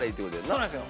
そうなんですよ。